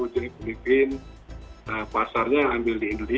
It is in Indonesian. jadi pemimpin pasarnya ambil di indonesia